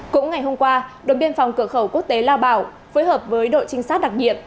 cũng ngày hôm qua đồn biên phòng cửa khẩu quốc tế lao bảo phối hợp với đội trinh sát đặc nhiệm